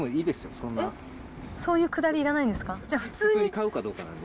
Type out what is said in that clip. そういうくだりいらないんですか。